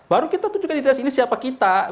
baru kita tunjukkan di tes ini siapa kita